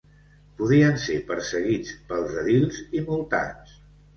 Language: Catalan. Podien ser perseguits pels edils i multats.